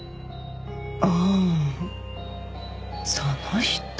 ああその人。